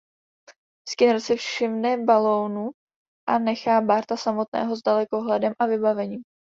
Skinner si všimne balónu a nechá Barta samotného s dalekohledem a vybavením.